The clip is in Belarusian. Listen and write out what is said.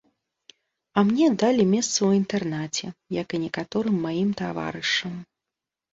А мне далі месца ў інтэрнаце, як і некаторым маім таварышам.